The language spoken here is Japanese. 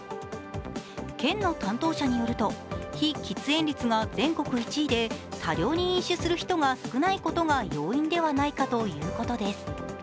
県の担当者によると、非喫煙率が全国１位で多量に飲酒する人が少ないことが要因ではないかということです。